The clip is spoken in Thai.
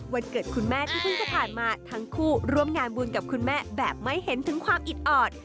วันเกิดคุณแม่ที่เพิ่งจะผ่านมาทั้งคู่ร่วมงานบุญกับคุณแม่แบบไม่เห็นถึงความอิดออด